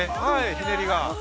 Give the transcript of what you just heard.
ひねりが。